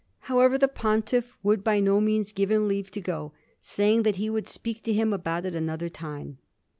However, the Pontiff would by no means give him leave to go, saying that he would speak to him about it another time.